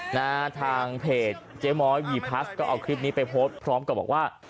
นะฮะทางเพจเจ๊ม้อยวีพลัสก็เอาคลิปนี้ไปโพสต์พร้อมกับบอกว่า